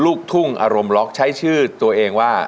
ลูกทุ่งอารมณ์ล็อกใช้ชื่อตัวเองว่า